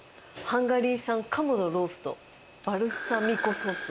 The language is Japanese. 「ハンガリー産鴨のローストバルサミコソース」